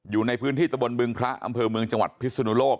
อยู่ในพื้นที่ตะบนบึงพระอำเภอเมืองจังหวัดพิศนุโลก